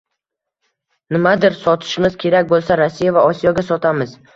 Nimadir sotishimiz kerak bo‘lsa, Rossiya va Osiyoga sotamiz